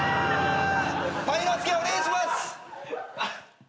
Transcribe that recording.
パイ之介お願いします。